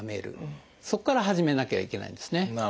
そこから始めなきゃいけないんですね。